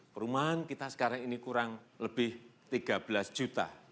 perumahan kita sekarang ini kurang lebih tiga belas juta